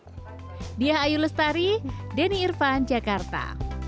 jadi ini adalah bagian dari denny irvan jakarta